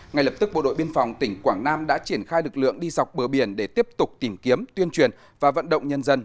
ngay lập tức bộ đội biên phòng tỉnh quảng nam đã triển khai lực lượng đi dọc bờ biển để tiếp tục tìm kiếm tuyên truyền và vận động nhân dân